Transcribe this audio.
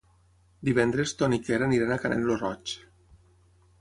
Divendres en Ton i en Quer iran a Canet lo Roig.